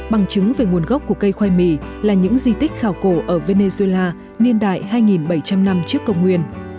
bằng chứng về nguồn gốc của cây khoai mì là những di tích khảo cổ ở venezuela niên đại hai bảy trăm linh năm trước công nguyên